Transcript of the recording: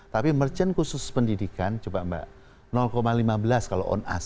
tapi merchant khusus pendidikan coba mbak lima belas kalau on us